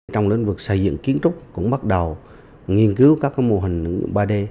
trong lĩnh vực xây dựng kiến trúc cũng bắt đầu nghiên cứu các mô hình ba d